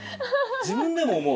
自分でも思う？